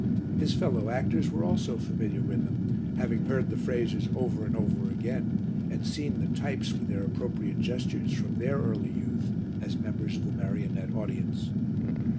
His fellow actors were also familiar with them, having heard the phrases over and over again, and seen the types with their appropriate gestures from their early youth as members of the marionette audience.